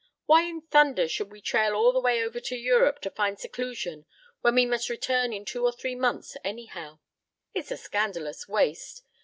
Why in thunder should we trail all the way over to Europe to find seclusion when we must return in two or three months, anyhow? It's a scandalous waste.